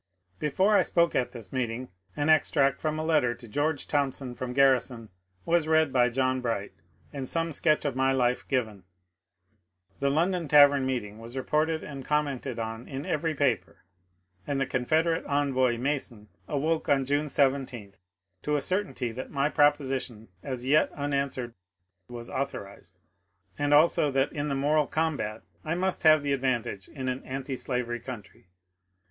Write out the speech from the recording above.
Before I spoke at this meeting an extract from a letter to Greorge Thompson from Grarrison was read by John Bright and some sketch of my life given.^ The London Tavern meeting was reported and commented on in every paper, and the Confederate envoy, Mason, awoke on June 17 to a certainty that my proposition as yet un answered was authorized, and also that in the moral combat I must have the advantage in an antislavery country.